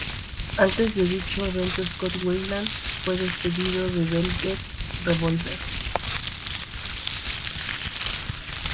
Antes de dicho evento Scott Weiland fue despedido de Velvet Revolver.